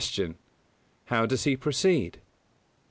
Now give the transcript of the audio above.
_How does he proceed?